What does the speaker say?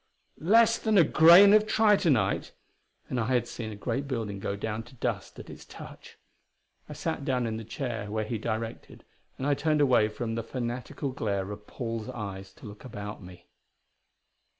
"Less than a grain of tritonite!" and I had seen a great building go down to dust at its touch! I sat down in the chair where he directed, and I turned away from the fanatical glare of Paul's eyes to look about me.